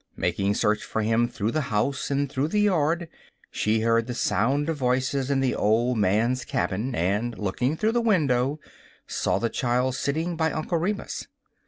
Making search for him through the house and through the yard, she heard the sound of voices in the old man's cabin, and, looking through the window, saw the child sitting by Uncle Remus.